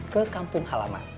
ke kampung halaman